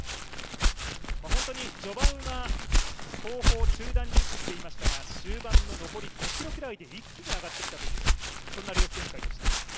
本当に序盤は、後方中団に位置していましたが終盤の残り５ｋｍぐらいで一気に上がってきたというレース展開でした。